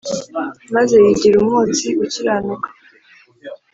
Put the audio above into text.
maze yigira umwotsi ukiranuka